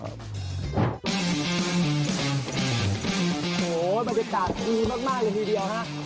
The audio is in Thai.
โอ้โฮมันจะตากดีมากละนิดเดียวฮะ